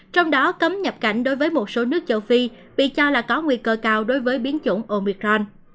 trong đó cấm nhập cảnh đối với một số nước châu phi bị cho là có nguy cơ cao đối với biến chủng omicron